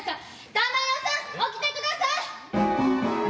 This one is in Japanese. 起きてください。